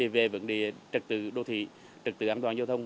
về vấn đề trật tự đô thị trật tự an toàn giao thông